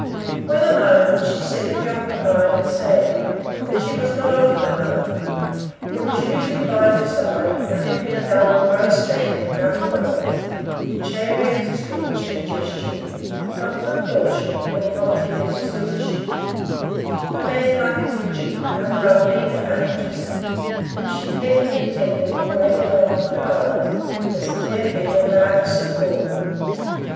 When alone she seemed preoccupied and sad; but she was not often alone; there was usually by her side a heavy, dull, gross man in rough clothes, chary of speech and gesture—not from caution, but poverty of disposition; a man like a ditcher, unlovely and uninteresting; whom she petted and tended and waited on with her eyes as if he had been Amadis of Gaul.